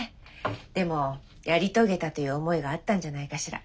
でもやり遂げたという思いがあったんじゃないかしら。